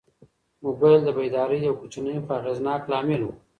موبایل د بیدارۍ یو کوچنی خو اغېزناک لامل و.